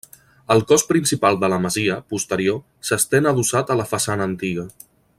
El cos principal de la masia, posterior, s'estén adossat a la façana antiga.